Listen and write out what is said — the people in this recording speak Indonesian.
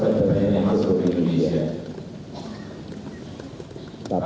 ada yang dikarenakan